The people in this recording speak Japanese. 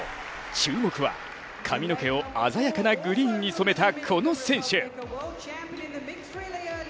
注目は、髪の毛を鮮やかなグリーンに染めたこの選手。